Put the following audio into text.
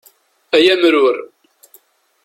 Ay amrur!